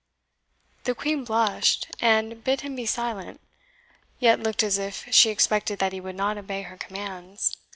The Queen blushed, and bid him be silent; yet looked as of she expected that he would not obey her commands.